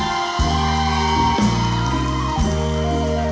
ก็จะจากว่ามึง